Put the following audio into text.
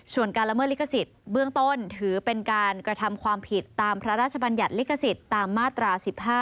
ส่วนการละเมิดลิขสิทธิ์เบื้องต้นถือเป็นการกระทำความผิดตามพระราชบัญญัติลิขสิทธิ์ตามมาตรา๑๕